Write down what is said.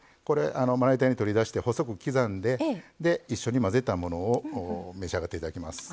まな板に取り出して細く刻んで一緒に混ぜたものを召し上がっていただきます。